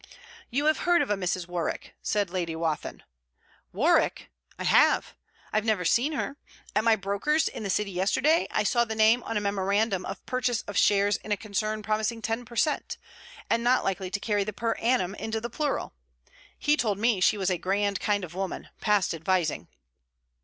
'You have heard of a Mrs. Warwick?' said Lady Wathin. 'Warwick! I have. I've never seen her. At my broker's in the City yesterday I saw the name on a Memorandum of purchase of Shares in a concern promising ten per cent., and not likely to carry the per annum into the plural. He told me she was a grand kind of woman, past advising.'